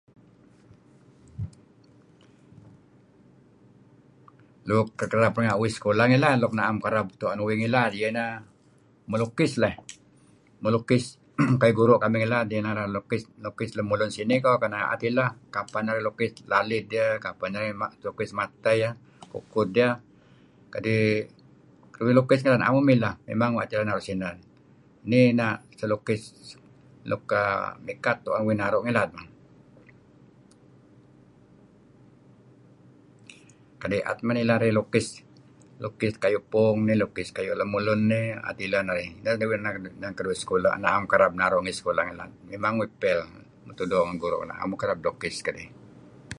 Luk kereb uih sekolah ngilad nuk naem kereb tuen uih ngilad iyeh ineh melukis leyh. Melukis kayu' guru' kamih ngila kayu' lukis lem sinih koh keneh tapi lah kapeh neh narih lukis lalid ideh kapeh narih mateh yeh, kukud yeh kadi' lukis naem uih mileh. Mimang naem uih kereb naru' sineh. Nih na' silukis nuk mikat tuen kuh ngilad. Kai' at man ileh narih lukis, lukis puung dih lukis lemulun dih deh dih. Neh nuk inan keduih sekolah nuk naem kereb naru' ngi sekolah. Mimang uih fail. Mutuh doo' ngen guru'. Naem uih kereb lukis.